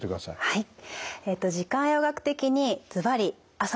はい。